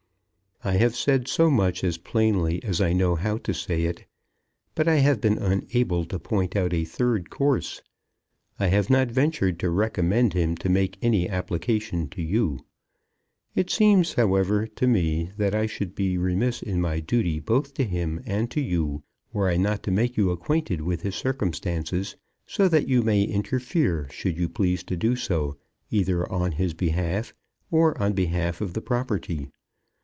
I have said so much as plainly as I know how to say it; but I have been unable to point out a third course. I have not ventured to recommend him to make any application to you. It seems, however, to me, that I should be remiss in my duty both to him and to you were I not to make you acquainted with his circumstances, so that you may interfere, should you please to do so, either on his behalf or on behalf of the property.